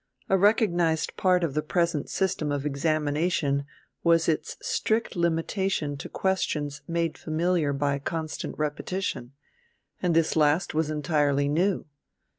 A recognized part of the present system of examination was its strict limitation to questions made familiar by constant repetition; and this last was entirely new.